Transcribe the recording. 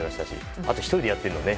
あと１人でやってるのがね。